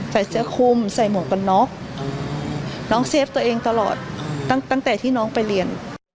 ใส่เสื้อคุมใส่หมวกกันน็อกน้องเซฟตัวเองตลอดตั้งแต่ที่น้องไปเรียน